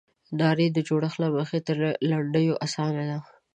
نارې د جوړښت له مخې تر لنډیو اسانه دي.